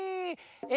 え